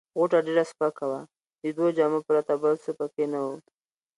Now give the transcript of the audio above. غوټه ډېره سپکه وه، د دوو جامو پرته بل څه پکښې نه وه.